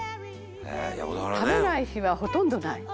「食べない日はほとんどない」